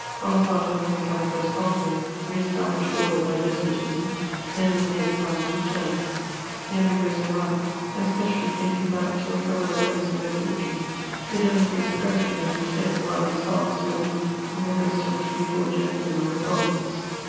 Bonaparte having become First Consul, re established order by despotism ; many of the exiles returned ; the emigres of rank especially hastened back to recover the wrecks of their fortunes ; fideli^ was perishing at its head, while its heart still beat in the breast of a few poor gentlemen of the provinces.